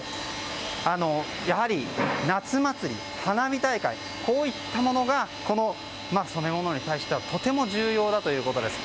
やはり夏祭り、花火大会こういったものがこの染物に対してはとても重要だということです。